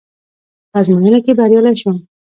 په ازموينه کې بريالی شوم.